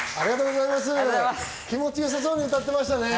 気持ち良さそうに歌ってましたね。